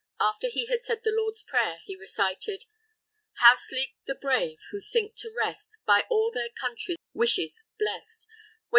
After he had said the Lord's Prayer, he recited: _How sleep the Brave, who sink to rest, By all their Country's wishes blest!